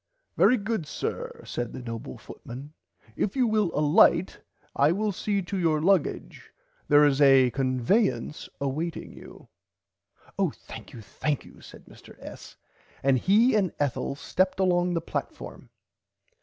Very good sir said the noble footman if you will alight I will see to your luggage there is a convayance awaiting you. Oh thankyou thankyou said Mr. S. and he and Ethel stepped along the platform.